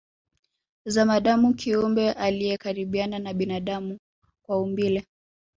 Zamadamu kiumbe aliyekaribiana na binadamu kwa umbile